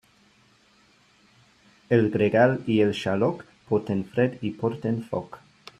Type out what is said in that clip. El gregal i el xaloc porten fred i porten foc.